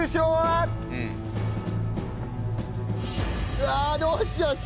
うわあどうしよう。